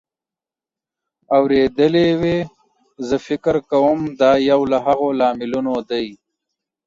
اورېدلې وې. زه فکر کوم دا یو له هغو لاملونو دی